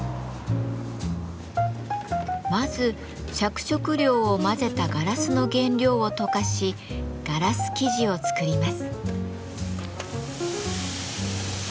まず着色料を混ぜたガラスの原料を溶かしガラス素地を作ります。